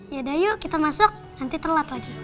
yaudah yuk kita masuk nanti telat lagi